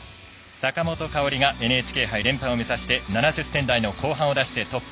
坂本花織がＮＨＫ杯連覇を目指して７０点台の後半を出してトップ。